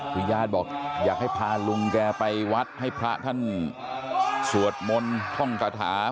คือญาติบอกอยากให้พาลุงแกไปวัดให้พระท่านสวดมนต์ท่องคาถา